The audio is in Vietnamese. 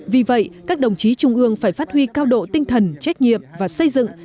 vì vậy các đồng chí trung ương phải phát huy cao độ tinh thần trách nhiệm và xây dựng